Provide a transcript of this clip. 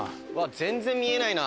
全然見えないな。